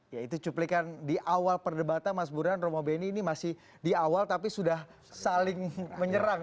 ya itu cuplikan di awal perdebatan mas burhan romo beni ini masih di awal tapi sudah saling menyerang